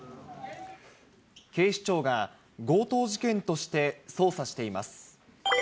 警視庁が強盗事件として捜査しています。